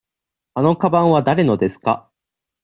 あのかばんはだれのですか。